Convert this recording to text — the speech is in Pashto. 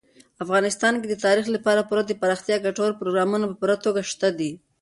افغانستان کې د تاریخ لپاره پوره دپرمختیا ګټور پروګرامونه په پوره توګه شته دي.